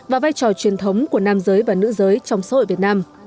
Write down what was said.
và vai trò truyền thống của nam giới và nữ giới trong xã hội việt nam